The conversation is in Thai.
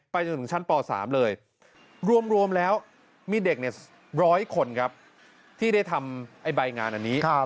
จนถึงชั้นป๓เลยรวมแล้วมีเด็ก๑๐๐คนครับที่ได้ทำไอ้ใบงานอันนี้